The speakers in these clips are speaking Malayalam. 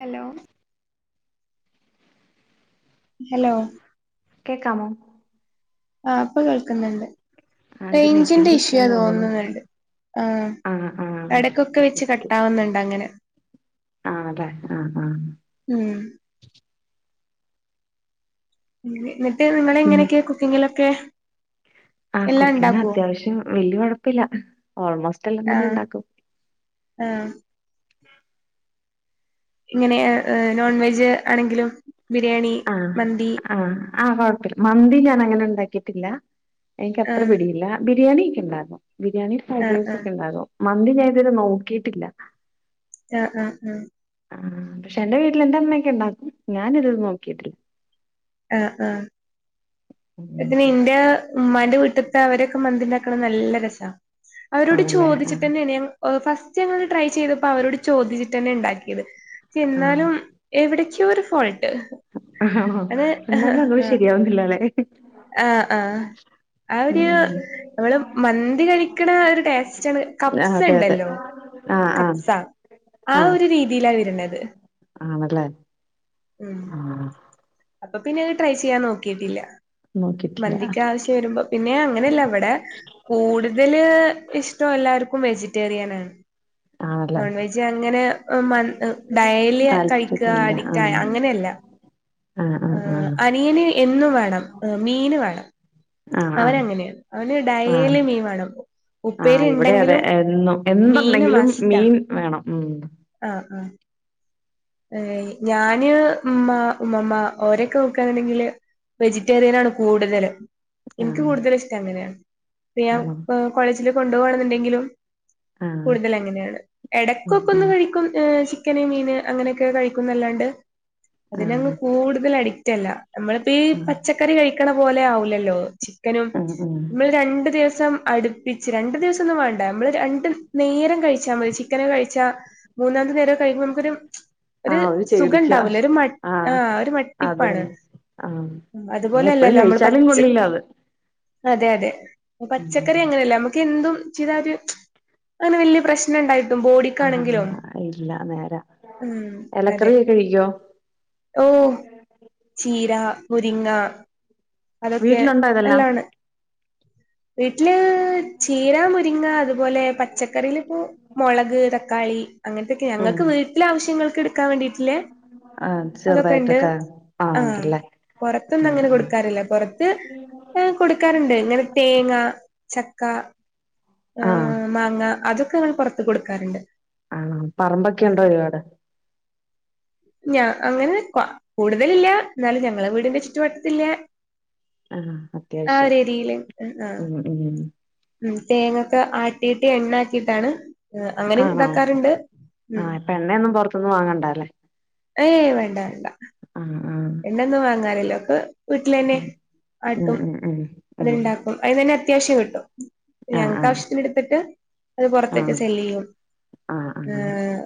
ഹലോ? ഹലോ? കേക്കാമോ? ആഹ് ഇപ്പ കേൾക്ക്ന്ന്ണ്ട് ആ അത് റേഞ്ചിന്റെ നെറ്റിന്റെ ഇഷ്യൂ ആന്ന് തോന്നുണു തോന്നുന്നുണ്ട് ആഹ്. ആ ആ എടക്കൊക്കെ വെച്ച് കട്ടാവുന്നുണ്ട് അങ്ങനെ. ആഹ് അതെ ആഹ് ആഹ് ഉം ന്നട്ട് നിങ്ങളെ ഉം. എങ്ങനെക്കെ കുക്കിങ്ങിലൊക്കെ? ആഹ് എല്ലാം കുക്കിംഗ് ഉണ്ടാക്കുവോ അത്യാവശ്യം വല്യ കൊഴപ്പല്ല ഓൾമോസ്റ്റ് എല്ലാം തന്നെ ഉണ്ടാക്കും. ആഹ് ഇങ്ങനെ ഹ് നോൺ വെജ് ആണെങ്കിലും ബിരിയാണി, മന്തി ആഹ് കൊഴപ്പല്ല മന്തി ഞാൻ അങ്ങനെ ണ്ടാക്കിട്ടില്ല എനിക്ക് ആ അത്ര പിടിയില്ല ബിരിയാണിക്കെ ഇണ്ടാക്കും. ബിരിയാണി, ഫ്രൈഡ് ആ റൈസ് ആ ഒക്കെ ണ്ടാക്കും മന്തി ഞാൻ ഇത് വരെ നോക്കിയിട്ടില്ല. ആഹ് ആഹ് ആഹ് ആഹ് പക്ഷെ എന്റെ വീട്ടിലെ എന്റെ അമ്മയക്കെ ണ്ടാക്കും ഞാനിത് നോക്കിട്ടില്ല. ആഹ് ആഹ് ഉം. [unintelligible] ഇന്റെ ഉമ്മാന്റെ വീട്ടത്തെ അവരൊക്കെ മന്തിണ്ടാക്കണം നല്ല രസാ. അവരോട് ആണല്ലേ ആ ചോദിച്ചിട്ട തന്നെയാണ് ഞ ഹ് ഫസ്റ്റ് ഞങ്ങൾ ട്രൈ ചെയ്തപ്പോ അവരോട് ചോദിച്ചിട്ട് തന്നെയാ ണ്ടാക്കിയത്. ആ എന്നാലും എവിടക്കയോ ഒരു ഫോൾട്ട് ആണോ അത് എന്നാലും അതോ ശരിയാവുന്നില്ല ല്ലെ? ആഹ് ആഹ് ആഹ് ഒരു ഉം. നമ്മള് മന്തി കഴിക്കണ ഒരു ടേസ്റ്റാണ്. ആ കപ്സ് അതെ അതെ ണ്ടല്ലോ? ആ ആ കപ്സ ആ ആഹ് ഒരു രീതിയിലാ വര്ണത്. ആണല്ലേ? ഉം ആ അപ്പ പിന്നെ അത് ട്രൈ ചെയ്യാൻ നോക്കിയിട്ടില്ല. നോക്കിട്ടില്ല മന്തിക്ക് ആവശ്യം വരുമ്പം പിന്നെ അങ്ങനെയല്ല ഇവടെ കൂടുതല് ഇഷ്ടം എല്ലാർക്കും വെജിറ്റേറിയനാ. ആണല്ലേ നോൺവെജ് അങ്ങനെ ഉം മ ഡയലി കഴിക്കുക താല്പര്യല്ല ആ അഡിക്റ്റ് ആയ അങ്ങനെയല്ല. ആ ആ ആ ആഹ് അനിയന് എന്നും വേണം ഹ് മീന് വേണം. ആ ആ അവൻ അങ്ങനെണ് അവന് ഡയലി മീൻ വേണം. ആഹ് ഉപ്പേരി ഇവടെ അതെ ഉണ്ടെങ്കിലും എന്നും മീന് എന്തുണ്ടെങ്കിലും മസ്റ്റാ മീൻ വേണം ഉം. ആഹ് ആഹ് ഏഹ് ഞാന് ഉമ്മ ഉമ്മമ്മ ഓരൊക്കെ നോക്കാണണ്ടെങ്കില് വെജിറ്റേറിയൻ ആണ് കൂടുതല് ആ ഇൻക്ക് കൂടുതൽ ഇഷ്ടം അങ്ങനെയാണ് അപ്പ ഞാൻ ആണോ ഹാ കോളേജില് കൊണ്ടോവാണെന്ന്ണ്ടെങ്കിലും ആ കൂടുതൽ അങ്ങനെയാണ് ഉം ഉം എടക്കൊപ്പൊന്ന് കഴിക്കും ഹ് ചിക്കന്, മീൻ അങ്ങനെക്കെ കഴിക്കുന്നല്ലാണ്ട് ആ ആ അതിനങ്ങ് കൂടുതൽ അഡിക്റ്റ് അല്ല നമ്മളിപ്പീ പച്ചക്ക ക്കറി കഴിക്ക്ണ പോലെ ആവുലല്ലോ ചിക്കനും ഉം ഉം മ്മള് രണ്ട് ദിവസം സം അടുപ്പിച്ച് രണ്ട് ദിവസം ഒന്നും വാണ്ട നമ്മള് രണ്ട് നേരം കഴിച്ചാ മതി ചിക്കന് കഴിച്ചാ മൂന്നാമത്തെ നേരം കഴിക്കു നമുക്കൊരു ആ ഒര് ഒരു ചേടിക്ക സുഖണ്ടാവുല ഒര് മ ആ ആഹ് ഒരു മട്ടിപ്പാണ്. അതന്നെ ആ ഉം പിന്നെ എപ്പഴും അതുപോലെല്ലല്ലോ നമ്മള് കഴിച്ചാലും പച്ച് കൊള്ളില്ല അത് അതെ അതെ പച്ചക്കറി ഉം അങ്ങനെയല്ല നമുക്ക് എന്തും ചെയ്താ ഒര് അങ്ങനെ വല്യ പ്രശ് നണ്ടായിട്ടും ആ ബോഡിക്കാണെങ്കിലും ഇല്ല നേരാ ഉം എലക്കറിയക്കെ കഴിക്കോ? ഓഹ് ചീര, മുരിങ്ങ അതൊക്കെ വീട്ടിലുണ്ടോ ഇതെല്ലാം നല്ലാണ് വീട്ടില് ചീര മുരിങ്ങ അതുപോലെ പച്ചക്കറീ ഇപ്പോ മൊളക് തക്കാളി അങ്ങനത്തൊക്കെ ഉം ഞങ്ങക്ക് വീട്ടിലെ ആവശ്യങ്ങൾക്ക് ഇടുക്കാൻ വേണ്ടിട്ടില്ല ആ അതൊക്കെ ഇണ്ട് ചെറുതായിട്ടൊക്കെ ആ ആഹ് ഉണ്ടല്ലേ പൊറത്തൊന്നും അങ്ങനെ കൊടുക്കാറില്ല പൊ റത്ത് എഹ് കൊടുക്കാറുണ്ട് ഇങ്ങനെ തേങ്ങ ചക്ക ആ ആ എഹ് മാങ്ങ അതൊക്കെങ്ങള് പൊറത്ത് കൊടുക്കാറുണ്ട് ആണോ പറമ്പൊക്കെ ആഹ് ഉണ്ടോ ഒരുപാട് ഞാ അങ്ങനെ ക്വാ കൂടുതലില്ല എന്നാലും ഞങ്ങളെ വീടിന്റെ ചുറ്റുവട്ടത്തുള്ള ആഹ് അത്യാവശ്യം ആഹ് ഉം ഉം ഉം തേങ്ങൊക്കെ ആട്ടിയിട്ട് എണ്ണാക്കിട്ടാണ് ആഹ് അങ്ങനീം ആണോ ഇതാക്കാറുണ്ട് ആ ഉം ഇപ്പൊ എണ്ണയൊന്നും പുറത്തൊന്നും വാങ്ങണ്ടല്ലേ ഏയ് വേണ്ട വേണ്ട ആഹ് ആഹ് എണ്ണ്യാന്നും വാങ്ങാറില്ല ഒക്കെ വീട്ടിലന്നെ ഉം ആട്ടും ഉം ഉം ഉം അത്ണ്ടാക്കും അതിനെന്നെ അത്യാവശ്യം കിട്ടും ആ ആ ഞങ്ങൾക്ക് ആവശ്യത്തിന് ഇടുത്തിട്ട് അത് ആ പൊറത്തിക്ക് സെല്ലിയും ആ ആ ഏഹ്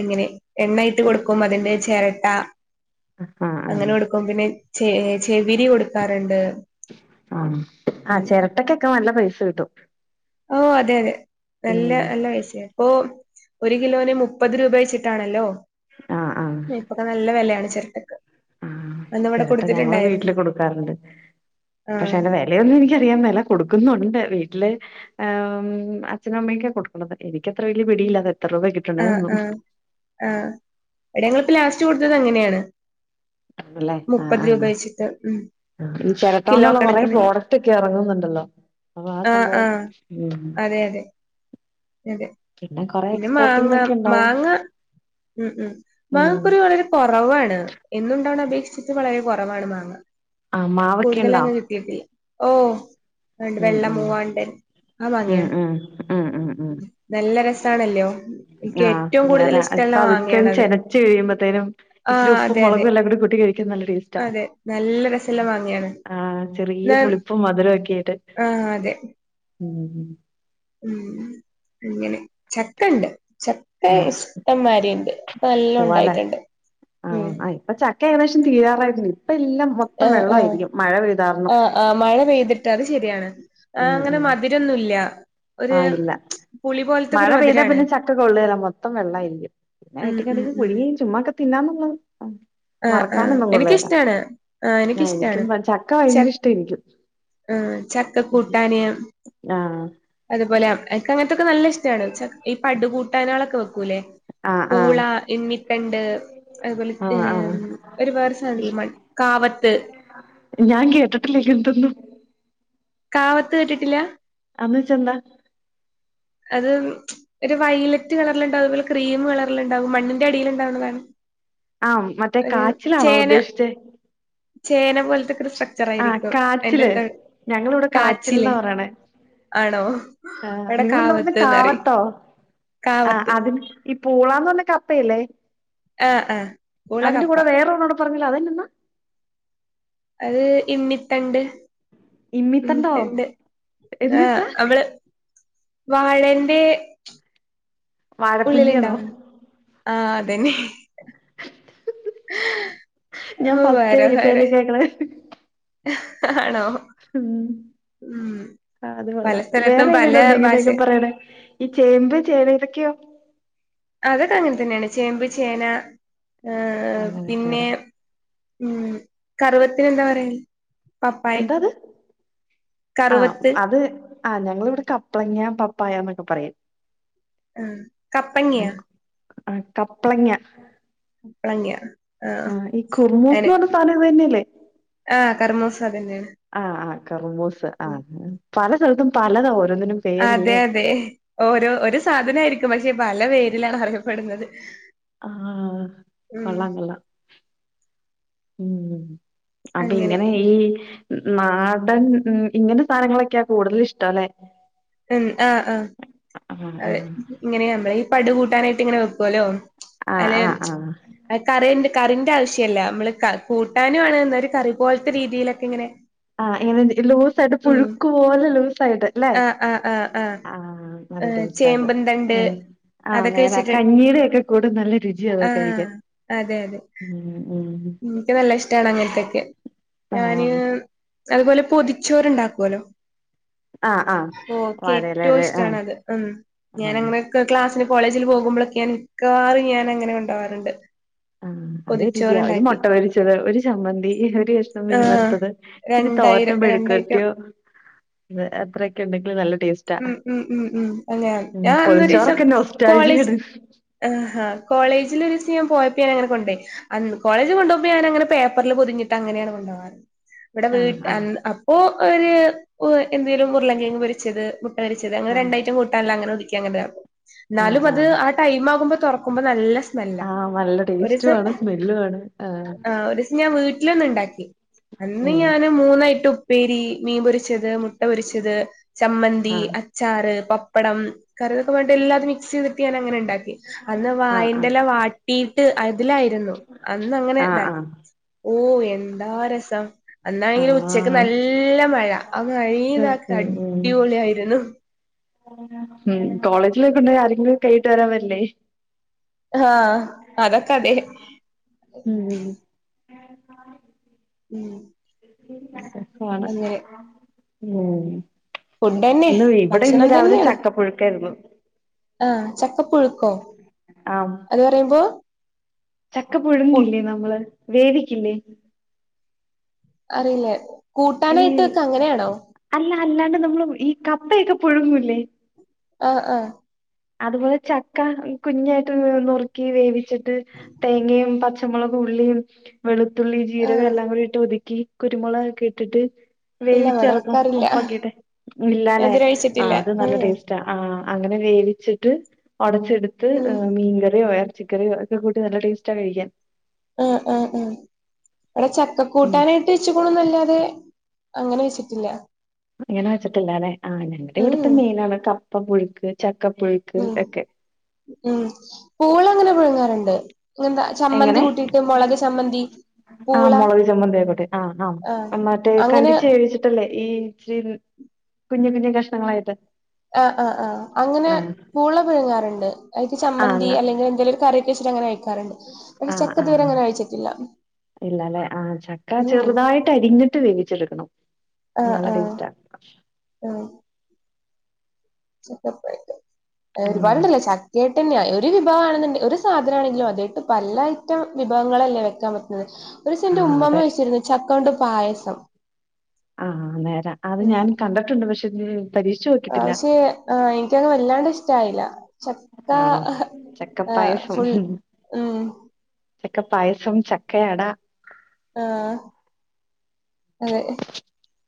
അങ്ങനെ എണ്ണയിട്ട് കൊടുക്കും അതിന്റെ ചെരട്ട ആ ആ അങ്ങനെ ഒടുക്കും പിന്നെ ചെ എഹ് ചെവിരി കൊടു ആഹ് ആഹ് അങ്ങനെ ചെരട്ടക്കൊക്കെ നല്ല പൈസ കിട്ടും ഓ അതെ അതെ നല്ല ഉം നല്ല പൈസ്യാ ഇപ്പൊ ഒരു കിലോന് മുപ്പത് രൂപ വെച്ചിട്ടാണല്ലോ ആ ആ അഹ് നല്ല വെലയാണ് ചെരട്ടക്ക് ആഹ് ചെരട്ട ഞങ്ങള് വീട്ടില് കൊടുക്കാറുണ്ട് പക്ഷെ ആഹ് അൻ്റെ വെ ലയൊന്നും എനിക്കറിയാമേല കൊടുക്കുന്നുണ്ട് വീട്ടില് ആഹ് ഉം അച്ഛനും അമ്മയൊക്കെ കൊടുക്കണത് എനിക്കത്ര വല്ല്യ പിടിയില്ലാ അതെത്ര രൂപ കിട്ട ആഹ് ആഹ് ആഹ് ഇവിടെ ഞങ്ങളിപ്പ ലാസ്റ്റ് കൊടുത്തത് അങ്ങനെയാണ് ആണല്ലേ ആഹ് മുപ്പത് രൂപ ആഹ് വെച്ചിട്ട് ഉം ഉം ഈ കിലോ ചെരട്ടോണ്ടുള്ള കൊറെ കണക്കിന് പ്രോഡക്റ്റ് ഒക്കെ എറങ്ങുന്നുണ്ടല്ലോ അപ്പൊ ആഹ് സംഭവം ഉം അതെ അതെ അതെ കൊറെ പിന്നെ എക്സ്പോർട്ടിംഗ് മാങ്ങ ഒക്കെ ഇണ്ടാവും. മാങ്ങ ഉം ഉം ഉം മാങ്ങക്കൊര് വളരെ കൊറവാണ് എന്നുണ്ടാവണത് അപേക്ഷിച്ചിട്ട് വളരെ കൊറവാണ് മാങ്ങ ആഹ് മാവൊക്കെ ഇണ്ടോ? കൂടുതലങ്ങ് കിട്ടിയിട്ടില്ല ഓ ആഹ് ഇണ്ട് ഉം വെള്ള ഉം മൂവാണ്ടൻ ആഹ് ഉം മാങ്ങ്യോ ഉം ഉം ഉം ഉം നല്ല രസാണല്ലോ എനിക്ക് ആഹ് ഏറ്റവും കൂടുതൽ നേരാ ഇഷ്ടള്ള പതുക്കെങ്ങ് മാങ്ങയാണത് ചെനച്ച് കഴിയുമ്പത്തേനും ഇച്ചിരി ആഹ് ഉപ്പും അതെ അതെ മൊളകും എല്ലാം കൂടി കൂട്ടി കഴി ക്കാൻ നല്ല ടേസ് റ്റാ അതെ നല്ല രസള്ള മാങ്ങയാണ് ആഹ് ചെറിയ ഞാൻ പുളിപ്പും മധുരം ഒക്കെ ആയിട്ട് ആഹ് അതെ ഉം ഉം ഉം അങ്ങനെ ചക്ക ഇണ്ട് ചക്ക ആഹ് ഇഷ്ടംമാരിണ്ട് നല്ലോം പോവാലേ ഉണ്ടായിട്ടുണ്ട് ഉം ക്കെ ഏകദേശം തീരാറായിട്ട്ണ്ട് ഇപ്പൊ എല്ലാം മൊത്തം ആഹ് ആഹ് വെള്ളമായിരിക്കും മഴ പെയ്താരണം ആഹ് ആഹ് മഴ പെയ്തിട്ട് അത് ശരിയാണ് ആഹ് ഉം അങ്ങനെ ഉം മതി രിക്കൊന്നൂല്ല ആഹ് ഇല്ല പുളിപോൽ മഴ പെയ്താ പിന്നെ ചക്ക കൊള്ളേല മൊത്തം വെള്ളായിരിക്കും പിന്നെ ഉം വെട്ടി ഉം കണ്ടിച്ച് ഉം പുഴുങ്ങി ചുമ്മാക്കെ തിന്നാനുള്ളത് ആഹ് ആഹ് ആഹ് വറക്കാനൊന്നും കൊള്ളേല എനിക്കിഷ്ടാണ്. ആഹ് എനിക്കും ചക്ക ഭയങ്കര ഇഷ്ട എനിക്കും ഉം ചക്കക്കൂട്ടാന് ആഹ് അതുപോലെക്ക അങ്ങനത്തൊക്കെ നല്ല ഇഷ്ടമാണ് ഈ പടുകൂട്ടാനകളൊക്കെ വെക്കൂല്ലേ ആഹ് പൂള ആഹ് എന്നിത്തണ്ട് അതുപോലെ ആഹ് ആഹ് ഒരു വേർ സാനം ഇല്ലെ കാവത്ത് ഞാൻ കേട്ടിട്ടില്ലേ എന്തൊന്നും കാവത്ത് കേട്ടിട്ടില്ല അന്ന് വെച്ചാ എന്താ അത് ഒരു വയലറ്റ് കളറിൽ ഉണ്ടാവും അതുപോലെ ക്രീമ്കളറിൽ ഉണ്ടാവും മണ്ണിന്റെ അടിൽ ഉണ്ടാവുന്നതാണ് ആഹ് മറ്റേ കാച്ചിലാണോ ചേന ഉദ്ദേശിച്ചേ ചേന പോലത്തെക്കെ സ്ട്രക്ചർ ആഹ് ആയിരിക്കും എന്റെ കാച്ചില് ഞങ്ങളിവിടെ കാച്ചിൽന്നാ കാച്ചില് പറയണേ ആണോ ആഹ് അവിടെ നിങ്ങളെന്താ പറഞ്ഞ കാവത്തോ ആ കാവത്ത് അതിന് ഈ പൂളാന്ന് പറഞ്ഞ കപ്പല്ലേ ആഹ് ആഹ് പൂള അതിന്റെ കപ്പ കൂടെ വേറെ ഒണോട് പറഞ്ഞില്ലോ അതന്നന്നാ അത് ഇന്നിത്തണ്ട് ഇമ്മിത്തണ്ടോ ഇന്നിത്തണ്ട് എന്ന് വെച്ചാ ആഹ്അവള് വാഴന്റെ ഉള്ളിൽ വാഴപ്പിണ്ടിയാണോ ഉണ്ടാവുന്ന ആ അതന്നെ ഞാൻ ഓ ഫസ്റ്റാ വേറെ ഈ പേര് വേറെ കേക്കണെ ആണോ ഉ ഉം ആ അത് പല കൊള്ളാം സ്ഥലത്തും വേറെ പല ഏതെങ്കിലും ഉണ്ടോ ഇങ്ങനെ ഭാഷ ഒക്കെ പറ യണെഈ ചേമ്പ് ചേന ഇതൊക്കെയോ അതൊക്കെ അങ്ങനെ തന്നെയാണ് ചേമ്പ് ചേന ഏ പിന്നെ അങ്ങനെയൊക്കെയാല്ലേ ഉം കറുവത്തിന് എന്താ പറയാന് പപ്പായക്ക് എന്താത് ആഹ് കറുവത്ത് അത് ആഹ് ഞങ്ങളിവിടെ കപ്പ്ളങ്ങ പപ്പായ എന്നൊക്കെ പറയും ആഹ് കപ്പങ്ങയാ ആ കപ്പ്ളങ്ങ കുമ്പളങ്ങിയ ആഹ് ആ ഈ കുറുമൂസ്ന്ന് അനെ പറഞ്ഞ സാധനം ഇതു തന്നെയല്ലെ ആഹ് കർമോസ് അത് തന്നെയാണ് ആഹ് ആഹ് കർമൂസ് ആ പല സ്ഥലത്തും പലത ഓരോന്നിനും പേരല്ലേ അതെ അതെ ഓരോ ഒരു സാധന ആയിരിക്കും പക്ഷെ പല പേരിലാണ് അറിയപ്പെടുന്നത് ആഹ് ഉം കൊള്ളാം കൊള്ളാം ഉം അപ്പ അങ്ങനെ ഇങ്ങനെ ഈ നാടൻ ഉ ഇങ്ങനെ സാധനങ്ങളൊക്കെയാ കൂടുതൽ ഇഷ്ട അല്ലെ ഉം ആഹ് ആഹ് ആഹ് അതെ ആഹ് ഇങ്ങനെ നമ്മള ഈ പട കൂട്ടാനായിട്ട് ഇങ്ങനെ വെക്കുവല്ലോ ആഹ് അല്ലെ ആഹ് ആഹ് കറി കറിന്റെ ആവശ്യമല്ല നമ്മള് കൂട്ടാനും ആണ് എന്ത ഒരു കറി പോലത്തെ രീതിയിലൊക്കെ ഇങ്ങനെ ആഹ് ഇങ്ങനെ ലൂസ ആയിട്ട് ഉം പുഴുക്ക് പോലെ ലൂസ് ആയിട്ട് അല്ലെ ആഹ് ആഹ് ആഹ് ആഹ് നല്ല ആഹ് ടേസ്റ്റ് ആത് ചേമ്പന്തണ്ട് ആ അതൊക്കെ നേര വെച്ചിട്ട് കഞ്ഞീടൊക്കെ കൂടെ നല്ല ആഹ് രുചിയാഅത്കഴിക്കാൻ അതെ അതെ ഉം ഉം എനിക്ക് നല്ല ഇഷ്ടമാണ് അങ്ങനത്തേ ഒക്കെ ഞാന് ആഹ് അതുപോലെ പൊതിച്ചോരുണ്ടാക്കുവല്ലോ ആഹ് ആഹ് ഓൾക്ക് ഏറ്റവും വാഴയിലേല് ആഹ് ഇഷ്ടണത് ഉം ആഹ് ഞാനങ്ങനെ ക്ലാസ്സിന് കോളേജിൽ പോകുമ്പോഴൊക്കെ ഞൻ മിക്കവാറും ഞാൻ അങ്ങനെ കൊണ്ടുപോവാറുണ്ട് അതുരുചിയ ഒരു മുട്ട പൊരിച്ചത് ഒരു ചമ്മന്തി ഒരു കഷ്ണം മീൻ ആഹ് വറുത്തത് ഇച്ചിരി തോരനോ രണ്ടായിരം മെഴുക്കു രണ്ടൈറ്റം വരട്ടിയോ അത്രയൊക്കെ ഉണ്ടെങ്കിലും നല്ല ടേസ്റ്റാ ഉം ഉം ഉം ഉം അങ്ങനെ ഉ ഞാൻ പൊതി അന്നൊരീസം ച്ചോറൊക്കെ കോളേജ് നൊസ്റ്റാൾജിയാണ് ആഹാ കോളേജിൽ ഒരു ദിവസം പോയപ്പോ ഞാൻ അങ്ങനെ കൊണ്ടോയി കോളജ് കൊണ്ടപ പോകോ ഞാന അങ്ങനെ പേപ്പറിൽ പൊതിട്ട് അങ്ങനെയാണ് കൊണ്ടപ പോകാറ്. ഇവിടെ ആഹ് വീട് ആഹ് അൻ അപ്പോ ഒരു എന്തേലും ഉരുളകിഴങ്ങ് പൊരിച്ചത് ച്ചത് അങ്ങനെ നെ രണ്ടയിറ്റം കൂട്ടാനില അങ്ങനെ ഒതുക്കി ആഹ് അങ്ങനതാവുന്നാലും ആഹ് അത് ആഹ് ആ ടൈം ആകുമ്പോ തുറക്കുമ്പോ നല്ല സ്മെ മല്ല ആഹ് നല്ല ഒരു ടേസ്റ്റും സം ആണ് സ്മെല്ലും ആണ് ആഹ് ആ ഒരുസം ഞാൻ വീട്ടിലൊന്ന് ഉണ്ടാക്കി. അന്ന് ഉം ഞാൻ മൂന്നയിറ്റം ഉപ്പേരി മീൻ പൊരിച്ചത് മുട്ട പൊരിച്ചത് ചമ്മന്തി ആഹ് അച്ഛാ ചാറ് പപ്പടം [unintelligible] എല്ലാതും മിക്സ് ചെയ്തിട്ട്ഞാനങ്ങനെണ്ടാക്കി. അന്ന് ആഹ് ആഹ് വായിന്റെല വാട്ടീയിട്ട് അതിലായിരുന്നു അന്ന് അങ്ങനെ ആഹ് ണ്ടാക്കി. ആഹ് ഓഹ് എന്താ രസം അന്നാണെങ്കി ഉച്ചക്ക് ആഹ് നല്ല മയ ആഹ് [unintelligible] ഉം ഉം അടിപൊളി ആയിരുന്നു ഉം കോളേജിലൊക്കെ കൊണ്ടോയ ആരെങ്കിലും കൈയിട്ട് വരാൻ വരില്ലേ. ആഹ് അതൊക്കെ അതെ ഉം. [unintelligible] ഉം അങ്ങനെ ഉം. ഫുഡന്നെ ഇന്ന് ഇവിടെ ഇന്ന് രാവിലെ ചക്കപ്പുഴുക്കായിരുന്നു. ആ ചക്കപ്പുഴുക്കോ ആഹ് അത് പറയുമ്പോ? ചക്ക പുഴുങ്ങില്ലേ നമ്മള് വേവിക്കില്ലേ ക്കില്ലേ അറിയില്ല ഈ കൂട്ടാനായിട്ട് വെക്ക ക്കെ അങ്ങനെയാണോ? അല്ല അല്ലാണ്ട് നമ്മൾ ഈ കപ്പയൊക്കെ പുഴുങ്ങൂലെ ആ ആഹ് അതുപോലെ ചക്ക ഈ കുഞ്ഞായിട്ട് നുറുക്കി വേവിച്ചിട്ട് തേങ്ങയും പച്ച പച്ചമുളകകും, ഉള്ളിയും, വെളുത്തുള്ളി, ജീരകം ആഹ് എല്ലാം കൂടി ഒതുക്കി കുരുമുളകൊക്കെ ഇട്ടിട്ട് ഇല്ല ഇവിടെ വേവിച്ചിറക്കും വെക്കാറില്ല ഉപ്പൊക്കെട്ട് ഇല്ലാലേ എതിരെ ആ കഴിച്ചിട്ടില്ല അത് നല്ല ഉം ടേസ്റ്റ് ആ അങ്ങനെ വേവിച്ചിട്ട് ഒടച്ചെടുത്ത് ഉം മീൻകറി [unintelligible] ചിക്കൻ കറി ഒക്കെ കൂട്ടി നല്ല ടേസ്റ്റാ കഴിക്കാൻ ആഹ് ആഹ് അഹ് ഇവിടെ ഉം ചക്കക്കൂട്ടാനായിട ട്ട് ചുക്കുണ് ന്നല്ലാതെ അങ്ങനെ വെച്ചിട്ടില്ല. അങ്ങനെ വെച്ചിട്ടില്ലാല്ലെ ആ ഞങ്ങടെ ഇവിടുത്തെ ഉം മെയിനാണ് കപ്പ പുഴുക്ക്, ചക്കപ്പുഴുക്ക് ഉം ഒക്കെ ഉം, പൂള അങ്ങനെ പുഴുങ്ങാറുണ്ട് [unintelligible] ചമ്മന്തി എങ്ങനെ കൂട്ടിയിട്ട് മുളക് ചമ്മന്തി. ച ആഹ് മുളക്ചമ്മന്തി ഒക്കെ കൂട്ടി ക് ആ ആഹ് ആ മറ്റേ അങ്ങനെ കണ്ടിച്ച് ട്ടല്ലേ [unintelligible] ഈ കുഞ്ഞു കുഞ്ഞു കഷ്ണങ്ങളായിട്ട്. ആഹ് ആഅഹ് അങ്ങനെ ആഹ് പൂള പിഴുങ്ങാറുണ്ട്. അയ്ക്ക് ചമ്മന്തി ആഹ് അല്ലെങ്കിൽ എന്തെലും ഒരു കറി ഒക്കെ ച്ചിട്ട് അങ്ങനെ കഴിക്കാറുണ്ട് പക്ഷെ ചക്ക ഇതുവരെ അങ്ങനെ കഴിച്ചിട്ടില്ല. ഇല്ലലെ ആ ചക്ക ഉം ചെറുതായിട്ട് അരിഞ്ഞിട്ട് വേവിച്ചെടുക്കണം. ആഹ് നല്ല ആഹ് ട്ടേസ്റ്റആ [inaudible] [unintelligible] ഒരുപാട് ഉം ഉണ്ടല്ലോ ചക്ക [unintelligible] ഒരു വിഭവമാണെന്നുണ്ടെകിലും ഒരു സാധനാണെങ്കിലും അതേട്ട് പല ഐറ്റം വിഭവങ്ങളല്ലേ വെക്കാൻ പറ്റുന്നത്. ഒരൂസം ന്റെ ആഹ് അതെ ഉമ്മമ്മ വെച്ചിരുന്നു ചക്കോണ്ട് പായസം. ആഹ് നേരാ അത് ഞാൻ കണ്ടിട്ടുണ്ട് പക്ഷ [unintelligible] ആ ക്ഷേ ആ എനിക്കത് വല്ലാണ്ട് ഇഷ്ടായില്ല. ചക്ക ആണോ? ആ ചക്കപ്പായസം ഫുൾ ഉം. ചക്ക പായസം, ചക്കയട. ആഹ് അതെ. [inaudible]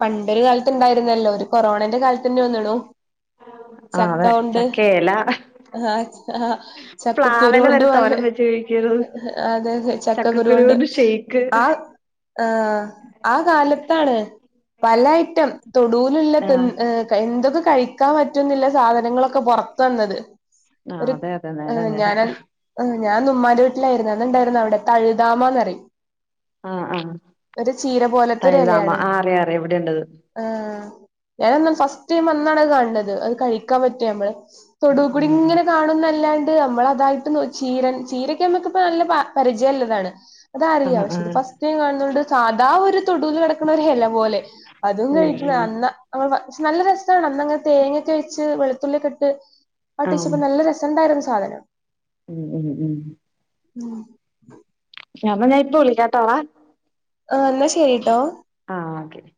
പണ്ടൊരു കാലത്തുണ്ടായിരുന്നല്ലോ ഒരു കൊറോണേന്റെ കാലത്ത്ന്നെ ന്നുണു. ആ അതെ ചക്കയെല ആഹ് ആ ചക്കക്കുരു പ്ലാവെല ന്റെ വരെ പോലെ തോരൻ വെച്ച് കഴിക്കരുത് അതെ അതെ ചക്കക്കുരു ചക്കകുരൊണ്ട് കൊണ്ട് ഷെയ്ക്ക് ആഹ് ആഹ് ആ കാലത്താണ് പലഅയിറ്റം തൊടുൂലുള്ള ആഹ് തിന്ന് എന്തൊക്കെ കഴിക്കാൻ പറ്റുംന്ന് ല്ല സാധനങ്ങളൊക്കെ പൊ ർ ത്ത് ന്ന ത് ആ ഒരു അതെ അതെ ക്ക് നേര ഞാ നേര ൻ ആ ഞാൻ ഇന്ന് ഉമ്മാൻ്റെ വീട്ടിലായിര് ന്നു അന്ന്‌ ണ്ടായിരുന്നു അവിടെ തഴുതാമ ന്ന് റയും ആഹ് ആ ഹ് തഴുതാമ അറിയാ അറിയാ ഇവിടെ ണ്ട് അത് ആ ഞാനാ ഫസ്റ്റ് ടൈം അന്നാണ് അത് കാണുന്നത് അത് കഴിക്കാൻ പറ്റിയ മ്മള് തൊടൂ കുടി ഇങ്ങനെ കാണുന്നതല്ലാതെ നമ്മളതായിട്ട് ചീരൻ ചീരക്കെ നമ്മക്ക് നല്ല പരിചയം ഉള്ളതാണ് ആ അതറിയാം പക്ഷെ ആ ഇത് ഫസ്റ്റ് ടൈം കാണുന്നത് കൊണ്ട് സാധാ ഒരു തൊടുവിൽ കിടക്കിണ ഒരു എ ല പോലെ അതും ഉം കഴിക്ക് ന് ഉം അന്നാ നമ്മ പക്ഷെ നല്ല രസാ ണ് അന്നങ്ങനെ തേങ്ങൊക്കൈ ച്ച് വെളുത്തുള്ളി ഒക്കെ ഇട്ട് ആ ഉം [unintelligible] നല്ല രസം ണ്ടായിര് ന്നു സാധനം [unintelligible] [inaudible] [unintelligible] ഇപ്പോ വിളിക്കാട്ടോ ഡാ. ആ ന്നാ ശരിട്ടോ ആഹ് ഓക്കേ ഡി